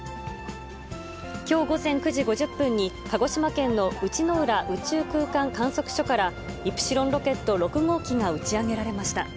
きょう午前９時５０分に、鹿児島県の内之浦宇宙空間観測所から、イプシロンロケット６号機が打ち上げられました。